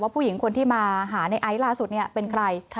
ผู้หญิงคนที่มาหาในไอซ์ล่าสุดเป็นใคร